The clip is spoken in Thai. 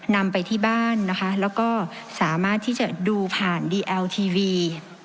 นำไปที่บ้านนะคะแล้วก็สามารถที่จะดูผ่านดีเอลทีวี